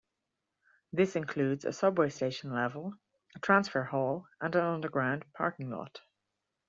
This includes a subway station level, a transfer hall and an underground parking lot.